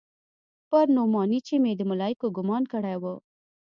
پر نعماني چې مې د ملايکو ګومان کړى و.